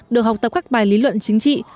được học tập các bài lý luận chính trị